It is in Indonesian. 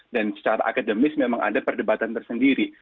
dan secara akademis memang ada perdebatan tersendiri